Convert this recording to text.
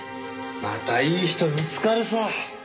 またいい人見つかるさ！